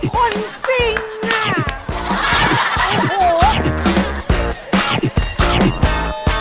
คนจริงน่ะ